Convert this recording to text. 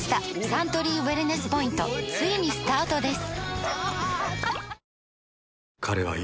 サントリーウエルネスポイントついにスタートです！